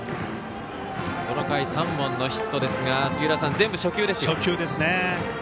この回、３本のヒットですが全部初球です。